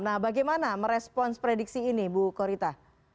nah bagaimana merespons prediksi ini bu korita